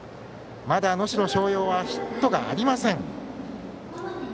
まだ能代松陽はヒットがありません。